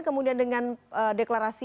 kemudian dengan deklarasi